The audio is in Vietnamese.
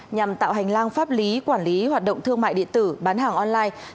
nhằm tạo hành lang pháp lý quản lý hoạt động thương mại điện tử bán hàng online